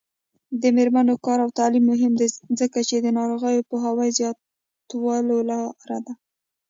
د میرمنو کار او تعلیم مهم دی ځکه چې ناروغیو پوهاوي زیاتولو لاره ده.